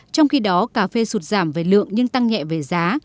trong khi đó cà phê sụt giảm về lượng nhưng tăng nhẹ về giá